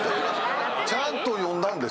ちゃんと読んだんです。